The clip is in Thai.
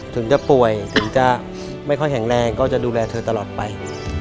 ถึงจะป่วยถึงจะไม่ค่อยแข็งแรงก็จะดูแลเธอตลอดไป